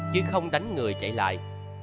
chứ không đánh người chạy lại